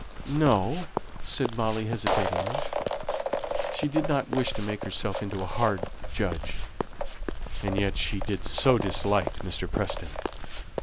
"No," said Molly, hesitatingly. She did not wish to make herself into a hard judge, and yet she did so dislike Mr. Preston.